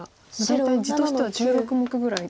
大体地としては１６目ぐらい。